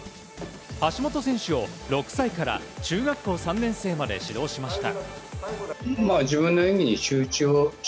橋本選手を６歳から中学校３年生まで指導しました。